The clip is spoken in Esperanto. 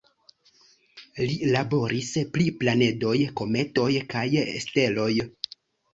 Li laboris pri planedoj, kometoj kaj steloj.